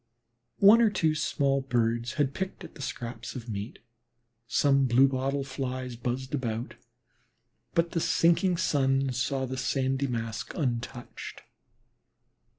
One or two small birds had picked at the scraps of meat, some blue bottle flies buzzed about, but the sinking sun saw the sandy mask untouched.